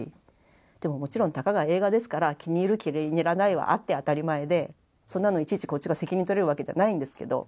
もちろんたかが映画ですから気に入る気に入らないはあって当たり前でそんなのいちいちこっちが責任とれるわけじゃないんですけど。